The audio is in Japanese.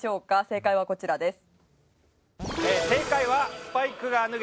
正解はこちらです。